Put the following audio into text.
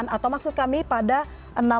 atau maksud kami pada enam ekor